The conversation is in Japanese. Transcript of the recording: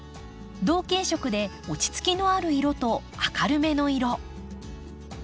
同系色で落ち着きのある色と明るめの色。